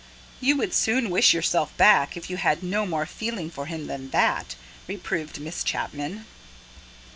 "You would soon wish yourself back, if you had no more feeling for him that that," reproved Miss Chapman.